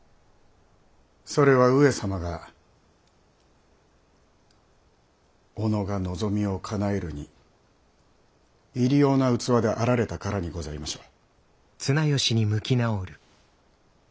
それは上様が己が望みをかなえるに入用な器であられたからにございましょう？